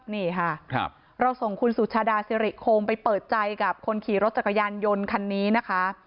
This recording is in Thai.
นี่ค่ะเราส่งคุณสุชาดาสิริคงไปเปิดใจกับคนขี่รถจักรยานยนต์คันนี้นะคะ